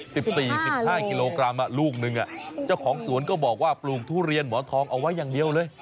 สิบสี่สิบห้ากิโลกรัมอ่ะลูกหนึ่งอ่ะเจ้าของสวนก็บอกว่าปลูกทุเรียนหมอนทองเอาไว้อย่างเดียวเลย